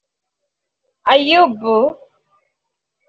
Ayoub